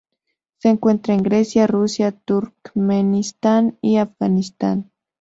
Se encuentra en Grecia, Rusia, Turkmenistán y Afganistán.